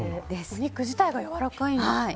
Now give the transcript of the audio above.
お肉自体がやわらかいんですね。